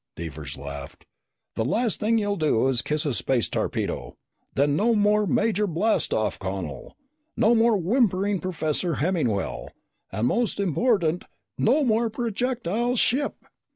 Devers laughed. "The last thing you'll do is kiss a space torpedo. Then no more Major Blast off Connel, no more whimpering Professor Hemmingwell, and most important, no more projectile ship!"